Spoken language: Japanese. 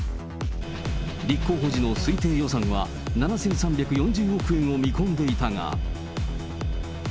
立候補時の推定予算は７３４０億円を見込んでいたが。